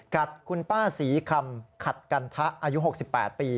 กับคุณป้าศรีคำขัดกันทะอายุ๖๘ปี